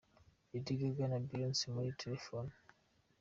Lady Gaga na Beyonce muri "telephone".